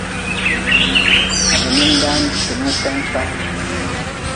Ka be nindan ti ninsen kan.